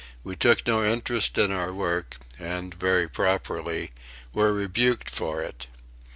We took no interest in our work and, very properly, were rebuked for it.